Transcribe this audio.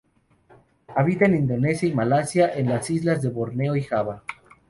Habita en Indonesia y Malasia, en las islas de Borneo y Java.